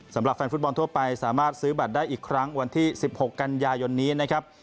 สำหรับแฟนฟุตบอลทั่วไปสามารถซื้อบัตรได้อีกครั้งวันที่๑๖กันยายนนี้นะครับ